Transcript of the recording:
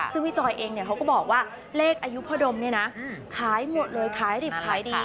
ซึ่งพี่จอยเองเขาก็บอกว่าเลขอายุพ่อดมเนี่ยนะขายหมดเลยขายดิบขายดี